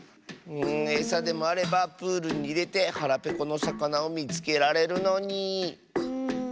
エサでもあればプールにいれてはらぺこのさかなをみつけられるのに。